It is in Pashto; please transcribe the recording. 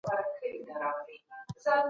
کیدای شي ستاسې بریا ستاسې تر څنګ وي.